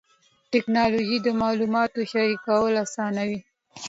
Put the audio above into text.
ټکنالوجي د معلوماتو شریکول اسانوي.